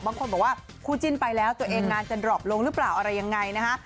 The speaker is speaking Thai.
บางคนบอกว่าคู่จิ้นไปแล้วตัวเองงานจะดรอบลงหรือเปล่าอะไรยังไงนะฮะ